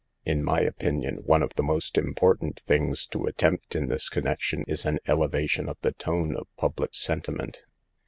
In my opinion one of the most important things to attempt in this connection is an ele vation of the tone of public sentiment.